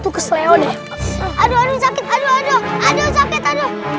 aduh sakit aduh